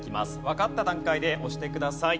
わかった段階で押してください。